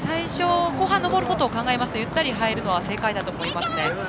後半、上ることを考えますと、ゆったり入るのは正解だと思いますね。